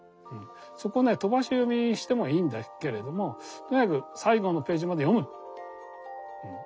そこね飛ばし読みしてもいいんだけれどもとにかく最後のページまで読む。